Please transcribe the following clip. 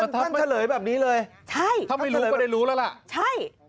ท่านเฉลยแบบนี้เลยใช่ถ้าไม่รู้ก็ได้รู้แล้วล่ะใช่